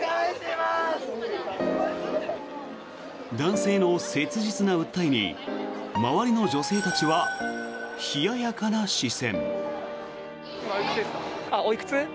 男性の切実な訴えに周りの女性たちは冷ややかな視線。